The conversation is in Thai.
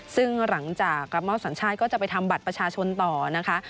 ซึ่งหลังจากรับมอบสัญชาติก็จะไปทำบัตรประชาชนต่อนะคะ